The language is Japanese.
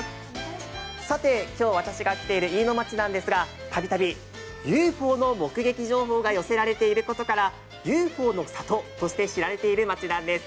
今日は、私が来ている飯野町なんですが、たびたびＵＦＯの目撃情報が寄せられていることからＵＦＯの里としても知られている町なんです。